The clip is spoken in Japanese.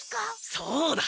そうだ。